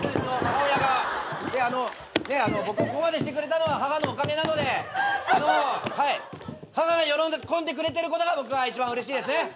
僕をここまでしてくれたのは母のおかげなので母が喜んでくれてることが僕は一番うれしいですね。